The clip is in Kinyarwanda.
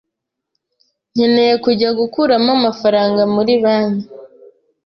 Nkeneye kujya gukuramo amafaranga muri banki.